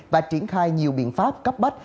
và triển khai nhiều biện pháp cấp bách